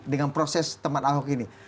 dengan proses teman ahok ini